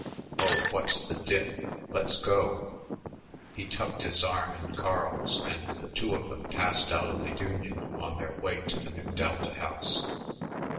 "Oh, what's the dif? Let's go." He tucked his arm in Carl's, and the two of them passed out of the Union on their way to the Nu Delta house.